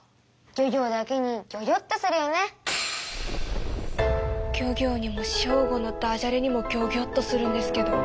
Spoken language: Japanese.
漁業にもショーゴのダジャレにもギョギョッとするんですけど。